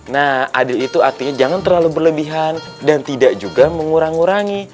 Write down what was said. nah adil itu artinya jangan terlalu berlebihan dan tidak juga mengurangi